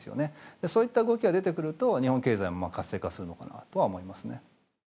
そういった動きが出てくると日本経済も活性化するのかなとは思いますね。